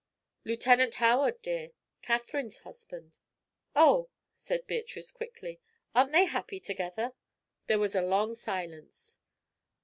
"Lieutenant Howard, dear Katherine's husband." "Oh!" said Beatrice, quickly. "Aren't they happy together?" There was a long silence.